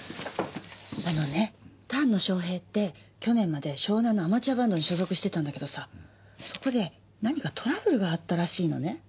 あのね丹野翔平って去年まで湘南のアマチュアバンドに所属してたんだけどさそこで何かトラブルがあったらしいのね。